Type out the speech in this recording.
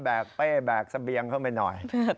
กเป้แบกเสบียงเข้าไปหน่อย